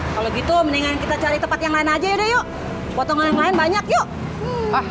kalau gitu mendingan kita cari tempat yang lain aja yaudah yuk potongan yang lain banyak yuk